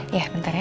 iya bentar ya